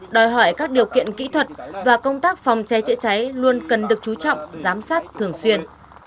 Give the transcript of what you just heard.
đòi hỏi các điều kiện kỹ thuật và công tác phòng cháy chữa cháy luôn cần được chú trọng giám sát thường xuyên